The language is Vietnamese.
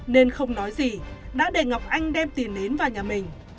nên không nói gì đã để ngọc anh đem tiền nến vào nhà mình